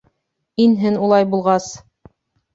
Инһен улай булғас!